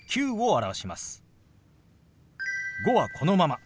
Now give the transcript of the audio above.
「５」はこのまま。